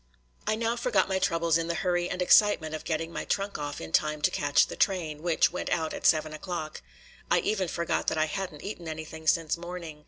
I now forgot my troubles in the hurry and excitement of getting my trunk off in time to catch the train, which went out at seven o'clock. I even forgot that I hadn't eaten anything since morning.